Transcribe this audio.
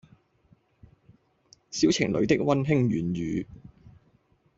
小情侶的溫馨軟語